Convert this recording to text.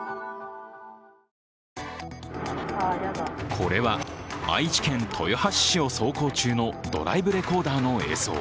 これは愛知県豊橋市を走行中のドライブレコーダーの映像。